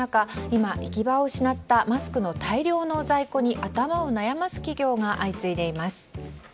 今、行き場を失ったマスクの大量の在庫に頭を悩ます企業が相次いでいます。